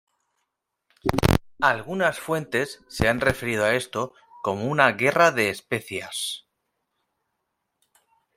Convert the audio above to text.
Algunas fuentes se han referido a esto como una "guerra de especias".